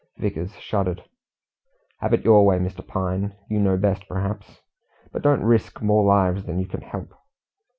Vickers shuddered. "Have it your way, Mr. Pine; you know best perhaps. But don't risk more lives than you can help."